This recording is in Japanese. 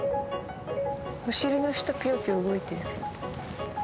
お尻の下ピヨピヨ動いてる。